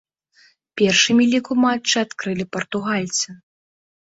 Першымі лік у матчы адкрылі партугальцы.